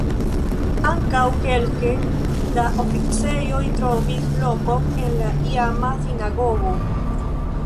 Ankaŭ kelke da oficejoj trovis lokon en la iama sinagogo.